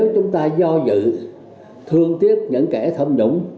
cho dự thương tiếc những kẻ tham nhũng